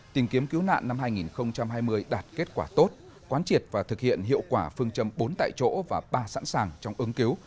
tìm kiếm cứu nạn năm hai nghìn hai mươi đạt kết quả tốt quán triệt và thực hiện hiệu quả phương châm bốn tại chỗ và ba sẵn sàng trong ứng cứu